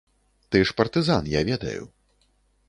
Ты ж партызан, я ведаю.